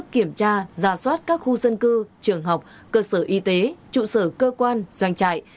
kiểm tra ra soát các khu dân cư trường học cơ sở y tế trụ sở cơ quan doanh trại